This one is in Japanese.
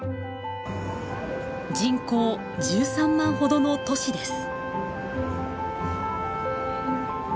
人口１３万ほどの都市です。